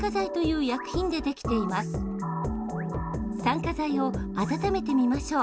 酸化剤を温めてみましょう。